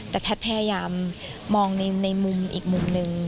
แต่แพทย์พยายามมองในมุมอีกมุมหนึ่ง